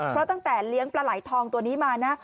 เพราะตั้งแต่เลี้ยงปลาไหลทองตัวนี้มานะ